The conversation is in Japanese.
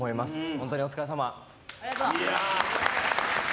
本当にお疲れさま。